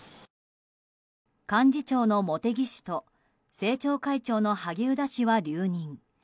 幹事長の茂木氏と政調会長の萩生田氏は留任。